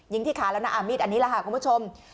ที่ขาแล้วนะมีดอันนี้แหละค่ะคุณผู้ชม